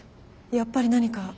やっぱり何か。